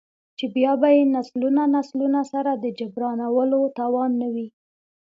،چـې بـيا بـه يې نسلونه نسلونه سـره د جـبران ولـو تـوان نـه وي.